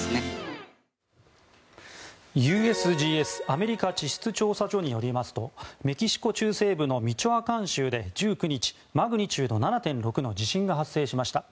ＵＳＧＳ・アメリカ地質調査所によりますとメキシコ中西部のミチョアカン州で１９日マグニチュード７．６の地震が発生しました。